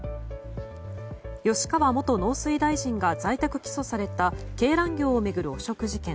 吉川元農水大臣が在宅起訴された鶏卵業を巡る汚職事件。